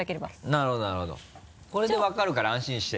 なるほどなるほどこれで分かるから安心して。